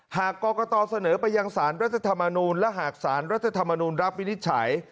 หากกรกตเสนอไปยังสารรัฐธรรมนูลและหากสารรัฐธรรมนูลรับวินิจฉัย